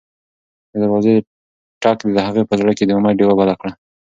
د دروازې ټک د هغې په زړه کې د امید ډېوه بله کړه.